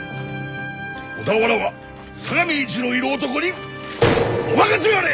小田原は相模一の色男にお任せあれ！